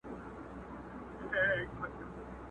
له کوم ځای له کوم کتابه یې راوړی.!